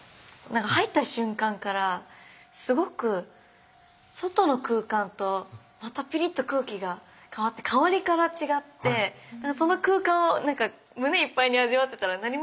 何か入った瞬間からすごく外の空間とまたピリッと空気が変わって香りから違ってその空間を胸いっぱいに味わってたら何もお願いしてなくて。